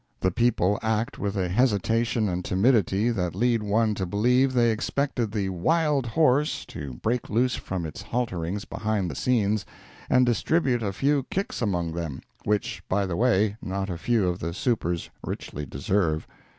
The people act with a hesitation and timidity that lead one to believe they expected the "wild" horse to break loose from his halterings behind the scenes, and distribute a few kicks among them, which, by the way, not a few of the supers richly deserve.